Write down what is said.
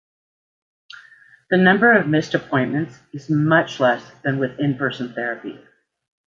The number of missed appointments is much less than with in-person therapy.